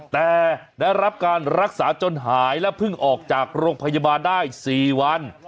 แต่ได้รับการรักษาจนหายและเพิ่งออกจากโรงพยาบาลได้๔วัน